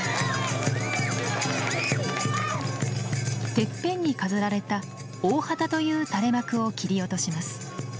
てっぺんに飾られた大幡という垂れ幕を切り落とします。